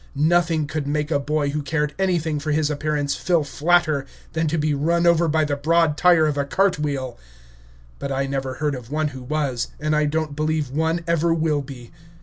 Nothing could make a boy, who cared anything for his appearance, feel flatter than to be run over by the broad tire of a cart wheel. But I never heard of one who was, and I don't believe one ever will be.